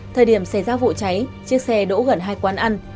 thời điểm xảy ra vụ cháy chiếc xe đỗ gần hai quán ăn